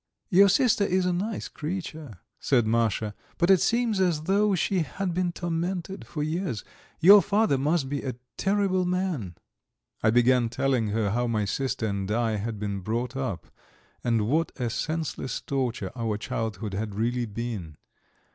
"Your sister is a nice creature," said Masha, "but it seems as though she had been tormented for years. Your father must be a terrible man." I began telling her how my sister and I had been brought up, and what a senseless torture our childhood had really been.